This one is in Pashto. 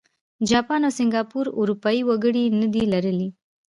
جاپان او سینګاپور اروپايي وګړي نه دي لرلي.